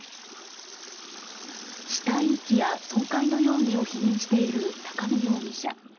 死体遺棄や損壊の容疑を否認している高見容疑者。